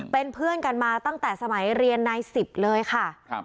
เป็นเพื่อนกันมาตั้งแต่สมัยเรียนนายสิบเลยค่ะ